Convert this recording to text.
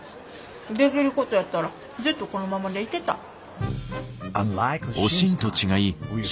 できることやったらずっとこのままでいてたい。